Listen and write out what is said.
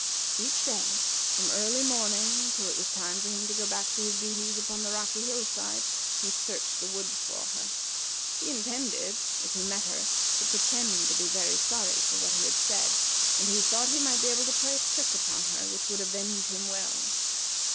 Each day, from early morning till it was time for him to go back to his duties upon the rocky hill side, he searched the woods for her. He intended, if he met her, to pretend to be very sorry for what he had said, and he thought he might be able to play a trick upon her which would avenge him well.